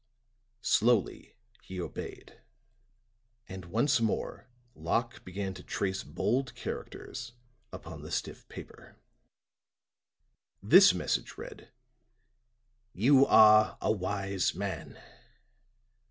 Slowly he obeyed; and once more Locke began to trace bold characters upon the stiff paper. This message read: "You are a wise man.